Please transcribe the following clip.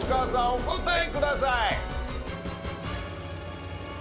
お答えください。